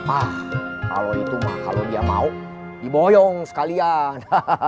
ah kalau itu mah kalau dia mau diboyong sekalian